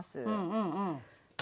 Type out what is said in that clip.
うんうん。